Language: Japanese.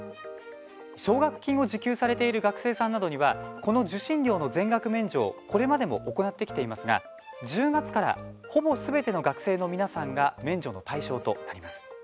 奨学金を受給されている学生さんなどにはこの受信料の全額免除をこれまでも行ってきていますが１０月からほぼ、すべての学生の皆さんが免除の対象となります。